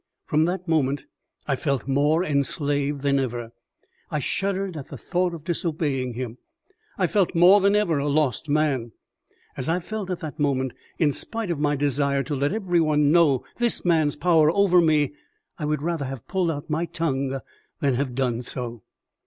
From that moment I felt more enslaved than ever. I shuddered at the thought of disobeying him; I felt more than ever a lost man. As I felt at that moment, in spite of my desire to let every one know this man's power over me, I would rather have pulled out my tongue than have done so.